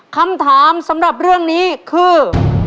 คำถามสำหรับเรื่องนี้คือ